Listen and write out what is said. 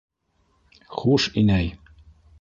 Хуш, инәй...